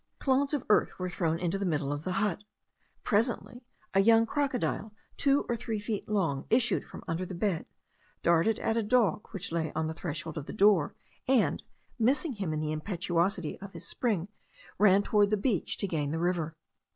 Clods of earth were thrown into the middle of the hut. Presently a young crocodile two or three feet long issued from under the bed, darted at a dog which lay on the threshold of the door, and, missing him in the impetuosity of his spring, ran towards the beach to gain the river.